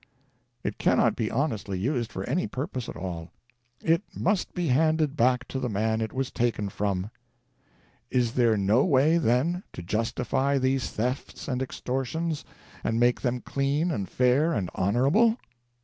It cannot be honestly used for any purpose at all. It must be handed back to the man it was taken from. Is there no way, then, to justify these thefts and extortions and make them clean and fair and honorable?